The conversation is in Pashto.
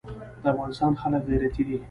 د افغانستان خلک غیرتي دي